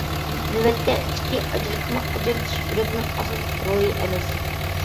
نۆۋەتتە، ئىچكى ئاجراتما ئاجرىتىش يۈرەكنىڭ ئاساسلىق رولى ئەمەس.